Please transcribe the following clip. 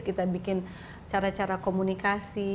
kita bikin cara cara komunikasi